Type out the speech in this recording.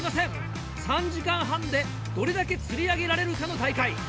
３時間半でどれだけ釣り上げられるかの大会。